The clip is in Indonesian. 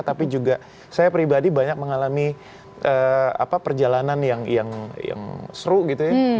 tapi juga saya pribadi banyak mengalami perjalanan yang seru gitu ya